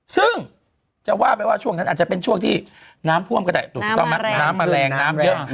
ซึ่งจะว่าไปว่าช่วงนั้นอาจจะเป็นช่วงที่น้ำพ่วมก็ได้น้ำแมลงเยอะ